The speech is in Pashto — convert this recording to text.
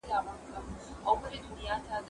هغه څوک چي مکتب ځي زده کړه کوي.